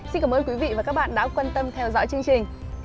xin cảm ơn quý vị và các bạn đã quan tâm theo dõi chương trình